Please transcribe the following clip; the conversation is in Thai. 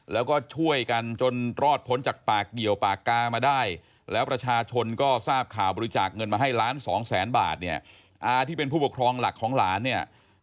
แล้วก็ช่วยกันจนรอดพ้นจากปากเกี่ยวปากกามาได้